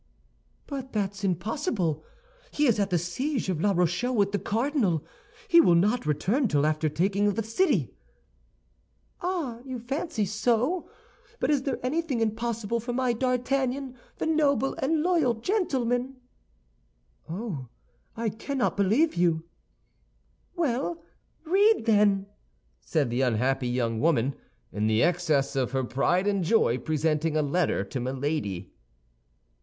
"But that's impossible! He is at the siege of La Rochelle with the cardinal. He will not return till after the taking of the city." "Ah, you fancy so! But is there anything impossible for my D'Artagnan, the noble and loyal gentleman?" "Oh, I cannot believe you!" "Well, read, then!" said the unhappy young woman, in the excess of her pride and joy, presenting a letter to Milady.